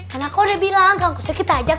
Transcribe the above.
kan aku udah bilang kang kusoy kita ajak